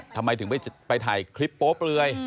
ทำไมถึงไปถ่ายคลิปป๊บเลย